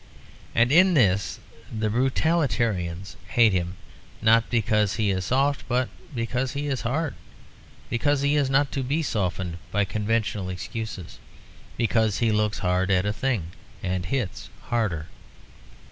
And in this the brutalitarians hate him not because he is soft, but because he is hard, because he is not to be softened by conventional excuses; because he looks hard at a thing and hits harder.